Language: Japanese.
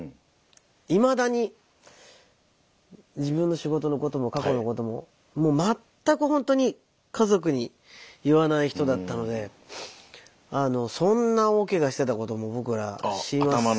いまだに自分の仕事のことも過去のことも全くほんとに家族に言わない人だったのでそんな大けがしてたことも僕ら知りませんでした。